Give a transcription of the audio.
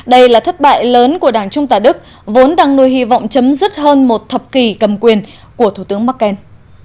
đây là thất bại lớn của đảng trung tả đức vốn đang nuôi hy vọng chấm dứt hơn một thập kỷ cầm quyền của thủ tướng merkel